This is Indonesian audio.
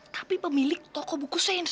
tapi pemilik toko buku sains